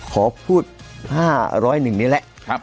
ขอพูด๕๐๑นี่แหละ